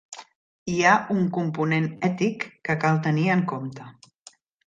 Hi ha un component ètic que cal tenir en compte.